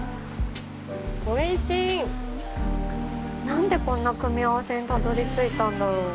なんでこんな組み合わせにたどりついたんだろう？